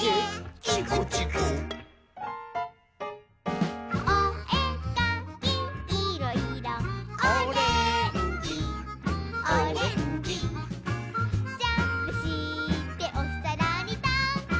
ちくちく」「おえかきいろ・いろ」「オレンジオレンジ」「ジャンプしておさらにとん！」